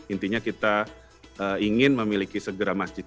intinya kita ingin memiliki segera masjid